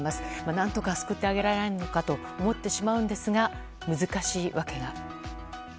何とか救ってあげられないのかと思ってしまうんですが難しい訳が。